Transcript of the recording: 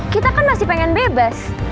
kita kan masih pengen bebas